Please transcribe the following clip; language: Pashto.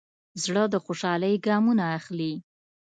زړه د خوشحالۍ ګامونه اخلي.